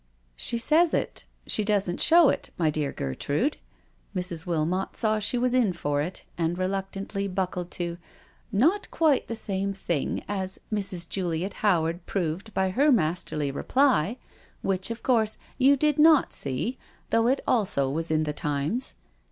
" She says it— she doesn't show it, my dear Ger trude "— Mrs. Wilmot saw she was in for it, and reluctantly buckled to —" not quite the same thing, as Mrs. Juliet Howard proved by her masterly reply, which, of course, you did not see, though it also was in The Times.